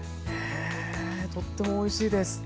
とってもおいしいです。